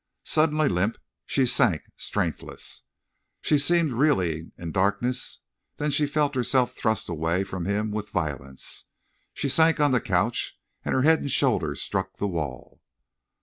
Suddenly limp, she sank strengthless. She seemed reeling in darkness. Then she felt herself thrust away from him with violence. She sank on the couch and her head and shoulders struck the wall.